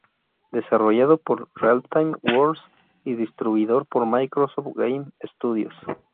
Desarrollado por Realtime Worlds y distribuidor por Microsoft Game Studios.